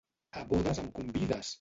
A bodes em convides!